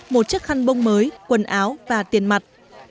một chiếc khăn bông mới quần áo và tiền mặt